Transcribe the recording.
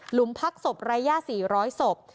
หลุมพักศพระยะ๔๐๐ศพ